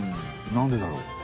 何でだろう？